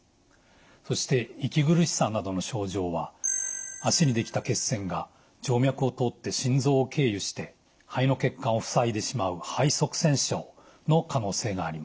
そして息苦しさなどの症状は脚にできた血栓が静脈を通って心臓を経由して肺の血管をふさいでしまう肺塞栓症の可能性があります。